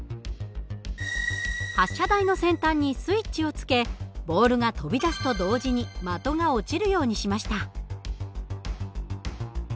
発射台の先端にスイッチを付けボールが飛び出すと同時に的が落ちるようにしました。